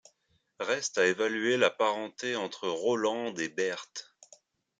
Reste à évaluer la parenté entre Rolande et Berthe.